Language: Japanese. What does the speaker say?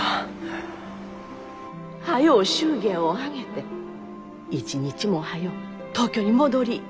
早う祝言を挙げて一日も早う東京に戻りい。